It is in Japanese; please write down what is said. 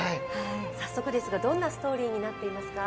早速ですが、どんなストーリーになっていますか。